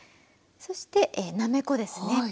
そしてなめこですね。